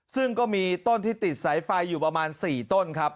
ซึ่งก็มีต้นที่ติดสายไฟอยู่ประมาณ๔ต้นครับ